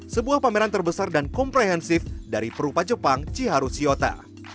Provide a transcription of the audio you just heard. sebuah pameran terbesar dan komprehensif dari perupa jepang chiharu shiota